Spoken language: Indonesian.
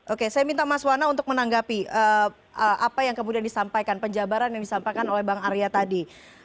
oke saya minta mas wana untuk menanggapi apa yang kemudian disampaikan penjabaran yang disampaikan oleh bang arya tadi